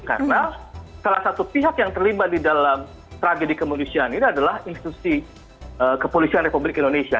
karena salah satu pihak yang terlibat di dalam tragedi kemunisian ini adalah institusi kepolisian republik indonesia